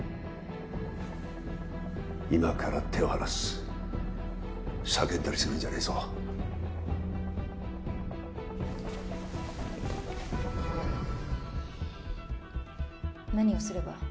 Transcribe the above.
今から手を離す叫んだりするんじゃねえぞ何をすれば？